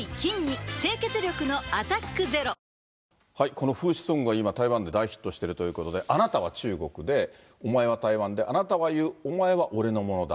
この風刺ソングが今、台湾で大ヒットしているということで、あなたは中国で、お前は台湾で、あなたは言う、お前は俺のものだ。